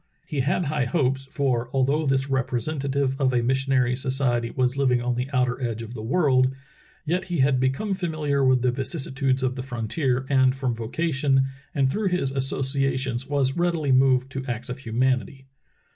He had high hopes, for although this representative of a missionary society was living on the outer edge of the world, yet he had be come familiar with the vicissitudes of the frontier, and from vocation and through his associations was readily moved to acts of humanity.